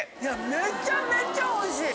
めちゃめちゃおいしい！